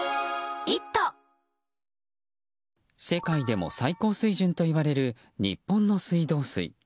世界でも最高水準といわれる日本の水道水。